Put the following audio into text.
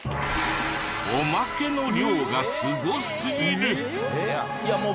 おまけの量がすごすぎる！